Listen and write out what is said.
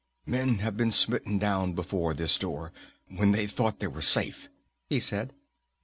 "Men have been smitten down before this door, when they thought they were safe," he said.